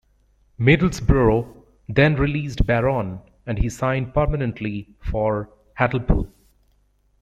Middlesbrough then released Barron and he signed permanently for Hartlepool.